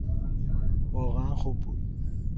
واقعاً خوب بود.